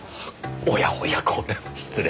おやおやこれは失礼。